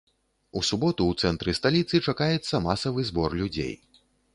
У суботу ў цэнтры сталіцы чакаецца масавы збор людзей.